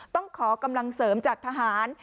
ต้องขอกำลังเสริมจากทหาร